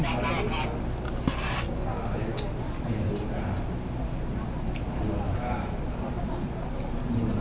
ทุกคนฟังเหรอ